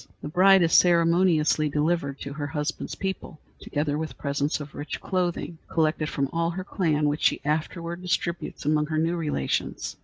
The bride is ceremoniously delivered to her husband's people, together with presents of rich clothing, collected from all her clan, which she afterward distributes among her new relations.